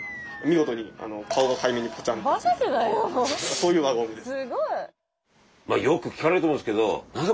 そういう輪ゴムです。